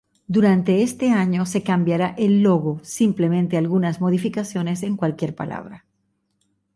Durante este año se cambiará el logo, simplemente algunas modificaciones en cualquier palabra.